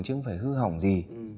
chứ không phải hư hỏng gì